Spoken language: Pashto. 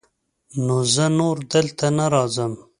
نو زه نور دلته نه راځم.